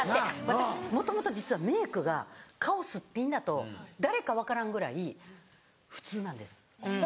私もともと実はメイクが顔すっぴんだと誰か分からんぐらい普通なんです。